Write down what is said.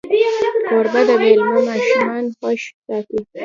کوربه د میلمه ماشومان خوښ ساتي.